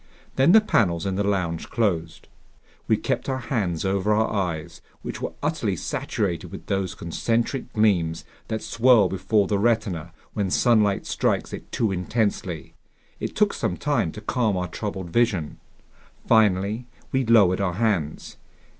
Then the panels in the lounge closed. We kept our hands over our eyes, which were utterly saturated with those concentric gleams that swirl before the retina when sunlight strikes it too intensely. It took some time to calm our troubled vision. Finally we lowered our hands.